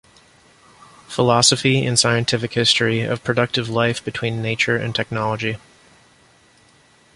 Philosophy and scientific History of productive Life between Nature and Technology.